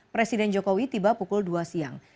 presiden jokowi tiba pukul dua siang